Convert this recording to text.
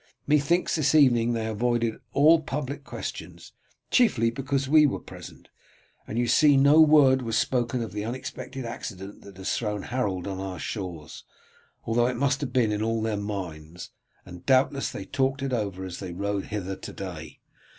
Methinks this evening they avoided all public questions chiefly because we were present; and you see no word was spoken of the unexpected accident that has thrown Harold on our shores, although it must have been in all their minds; and doubtless they talked it over as they rode hither to day.